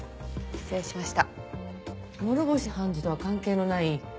失礼しました。